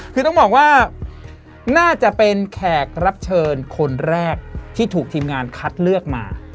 คือต้องบอกว่าน่าจะเป็นแขกรับเชิญคนแรกที่ถูกทีมงานคัดเลือกมา